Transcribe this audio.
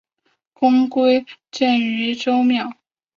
公归荐于周庙。